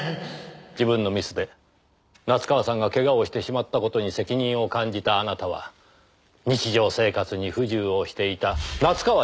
自分のミスで夏河さんが怪我をしてしまった事に責任を感じたあなたは日常生活に不自由をしていた夏河氏に代わり。